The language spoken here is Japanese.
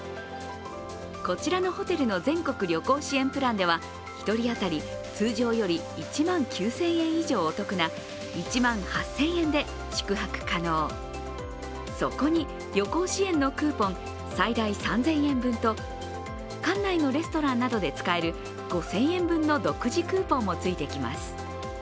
こちらのホテルの全国旅行支援プランでは１人当たり通常より１万９０００円以上お得な１万８０００円で宿泊可能そこに旅行支援のクーポン最大３０００円分と館内のレストランなどで使える５０００円分の独自クーポンもついてきます。